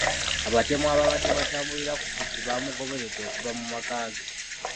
Abatemu ababadde batambulira ku pikipiki bamugoberedde okuva mu makaage .